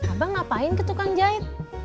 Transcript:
abang ngapain ke tukang jahit